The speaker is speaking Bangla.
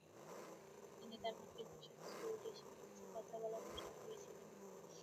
তিনি তার মাতৃভাষা সুইডিশে কিছু কথা বলার চেষ্টা করেছিলেন।